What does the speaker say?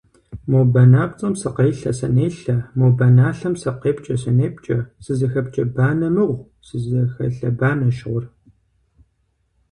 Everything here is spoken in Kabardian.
Мо банапцӏэм сыкъелъэ-сынелъэ, мо баналъэм сыкъепкӏэ-сынепкӏэ, сызыхэпкӏэ банэ мыгъу, сызыхэлъэ банэщ гъур.